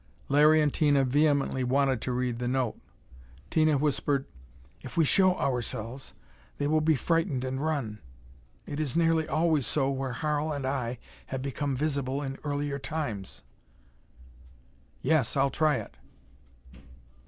Larry and Tina vehemently wanted to read the note. Tina whispered: "If we show ourselves, they will be frightened and run. It is nearly always so where Harl and I have become visible in earlier Times." "Yes. I'll try it."